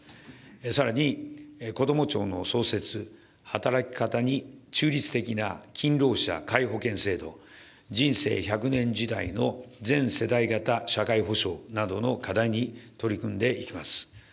さらにこども庁の創設、働き方に中立的な勤労者皆保険制度、人生１００年時代の全世代型社会保障などの課題に取り組んでいきます。